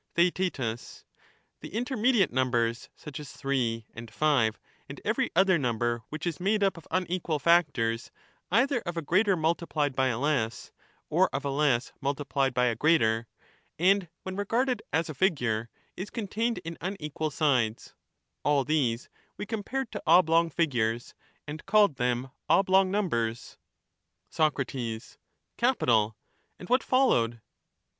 Theaet The intermediate numbers, such as three and five, and every other number which is made up of unequal factors, 148 either of a greater multiplied by a less, or of a less multiplied by a greater, and when regarded as a figure, is contained in unequal sides ;— all these we compared to oblong figures, and called them oblong numbers. Soc. Capital ; and what followed